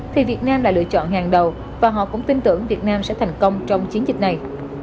thì việt nam là lựa chọn hàng đầu và họ cũng tin tưởng việt nam sẽ thành công trong chiến dịch này